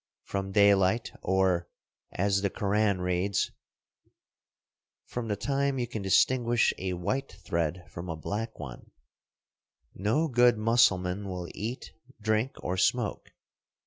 From daylight, or, as the Koran reads, "from the time you can distinguish a white thread from a black one," no good Mussulman will eat, drink, or smoke.